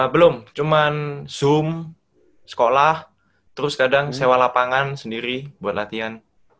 belum cuma zoom sekolah terus kadang sewa lapangan sendiri buat latihan